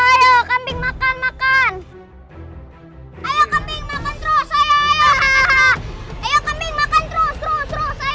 ayo kambing makan terus terus terus